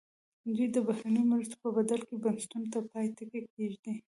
دوی د بهرنیو مرستو په بدل کې بنسټونو ته پای ټکی کېږدي.